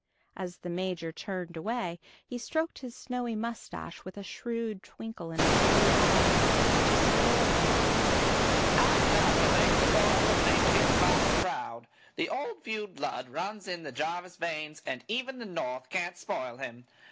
As the major turned away, he stroked his snowy mustache with a shrewd twinkle in his blue eyes, to soliloquize: "I calculate the boy will make his father proud. The old feud blood runs in the Jarvis veins, and even the North can't spoil him.